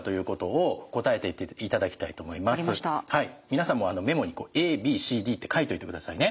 皆さんもメモにＡＢＣＤって書いといてくださいね。